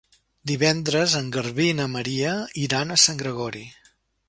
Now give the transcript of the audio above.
Divendres en Garbí i na Maria iran a Sant Gregori.